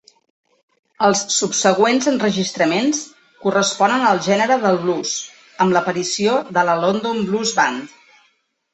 Els subsegüents enregistraments corresponen al gènere del blues amb l'aparició de la London Blues Band.